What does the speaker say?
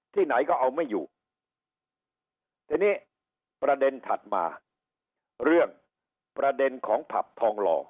ที่ไหนก็เอาไม่อยู่ทีนี้ประเด็นถัดมาเรื่องประเด็นของผับทองหล่อ